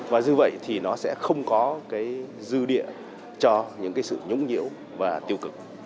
và như vậy thì nó sẽ không có dư địa cho những sự nhũng nhiễu và tiêu cực